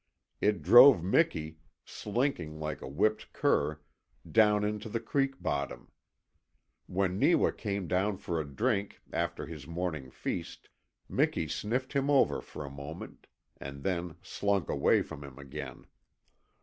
It drove Miki, slinking like a whipped cur, down into the creek bottom. When Neewa came down for a drink after his morning feast Miki sniffed him over for a moment and then slunk away from him again.